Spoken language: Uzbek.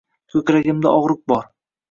Ko'kragimda og'riq bor.